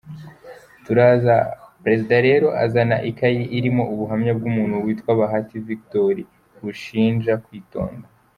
Turaza Perezida rero azana ikayi irimo ubuhamya bw’umuntu witwa Bahati Vigitori bushinja kwitonda.